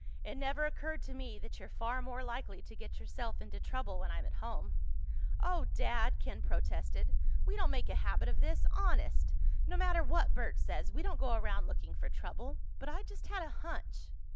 It never occurred to me that you're far more likely to get yourself into trouble when I'm at home." "Oh, Dad!" Ken protested. "We don't make a habit of this—honest! No matter what Bert says, we don't go around looking for trouble. But I just had a hunch...."